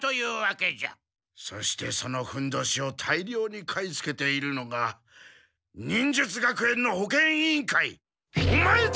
そしてそのふんどしを大りょうに買いつけているのが忍術学園の保健委員会オマエたちだ！